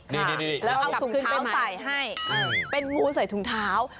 นี่แล้วกลับขึ้นไปใหม่เป็นมูใส่ถุงเท้า